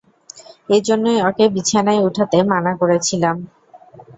এজন্যই ওকে বিছানায় উঠাতে মানা করেছিলাম!